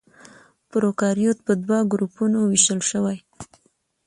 پروکاريوت په دوه ګروپونو وېشل شوي.